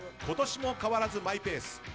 今年も変わらずマイペース。